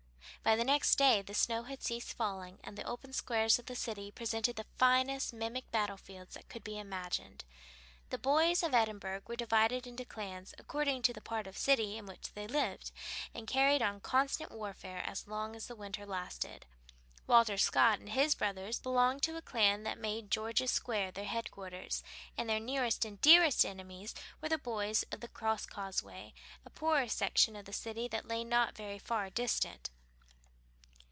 By the next day the snow had ceased falling, and the open squares of the city presented the finest mimic battle fields that could be imagined. The boys of Edinburgh were divided into clans according to the part of the city in which they lived, and carried on constant warfare as long as winter lasted. Walter Scott and his brothers belonged to a clan that made George's Square their headquarters, and their nearest and dearest enemies were the boys of the Crosscauseway, a poorer section of the city that lay not very far distant.